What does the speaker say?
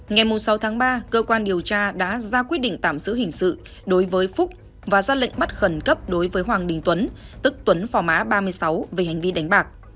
ngày sáu tháng ba cơ quan điều tra đã ra quyết định tạm giữ hình sự đối với phúc và ra lệnh bắt khẩn cấp đối với hoàng đình tuấn tức tuấn phò má ba mươi sáu về hành vi đánh bạc